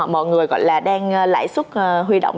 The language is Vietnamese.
mọi người gọi là đang lãi xuất huy động